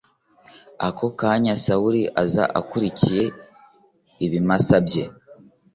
ako kanya sawuli aza akurikiye ibimasa bye